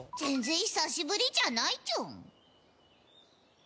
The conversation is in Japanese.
全然久しぶりじゃないチュン。